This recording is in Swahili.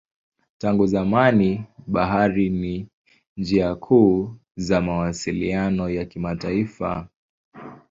Tangu zamani bahari ni njia kuu za mawasiliano ya kimataifa.